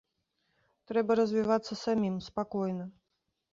Трэба развівацца самім, спакойна.